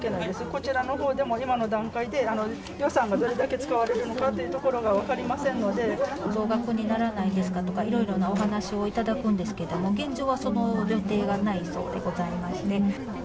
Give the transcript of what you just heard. こちらのほうでも、今の段階で予算がどれだけ使われるのかというところが分かりませ増額にならないですかとか、いろいろなお話をいただくんですけれども、現状はその予定がないそうでございまして。